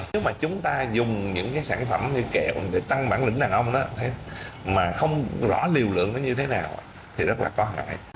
nếu mà chúng ta dùng những cái sản phẩm như kẹo để tăng bản lĩnh đàn ông đó thế mà không rõ liều lượng nó như thế nào thì rất là có hại